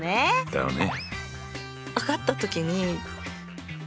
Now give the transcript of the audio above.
だよね。